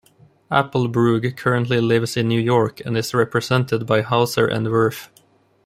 Applebroog currently lives in New York and is represented by Hauser and Wirth.